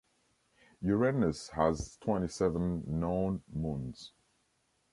Uranus has twenty seven known moons.